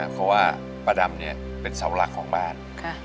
เพราะว่าป้าดำเป็นเสาหลักของบ้าน